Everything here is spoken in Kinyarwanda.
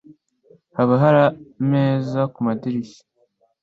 Haba hari ameza kumadirishya?